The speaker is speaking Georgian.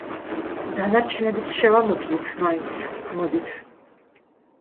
დანარჩენებიც შევამოწმოთ მაინც, მოდით.